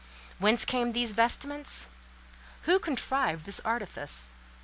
Whence came these vestments? Who contrived this artifice?